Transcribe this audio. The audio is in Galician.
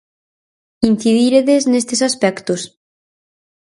Incidiredes nestes aspectos?